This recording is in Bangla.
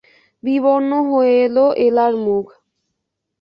বিবর্ণ হয়ে এল এলার মুখ।